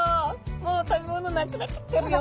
もう食べ物なくなっちゃってるよ」